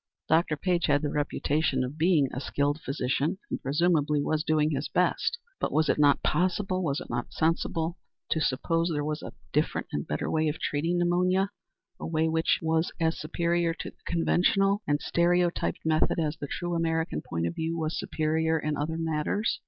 Dr. Page had the reputation of being a skilful physician, and, presumably, was doing his best; but was it not possible, was it not sensible, to suppose there was a different and better way of treating pneumonia a way which was as superior to the conventional and stereotyped method as the true American point of view was superior in other matters?